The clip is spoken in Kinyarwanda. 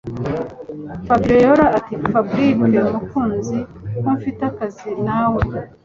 Fabiora atiFabric mukunzi ko mfite akazi nawe